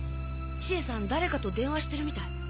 千絵さん誰かと電話してるみたい。